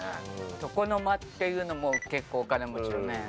床の間っていうのも結構お金持ちよね。